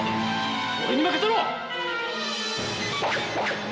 俺に任せろ！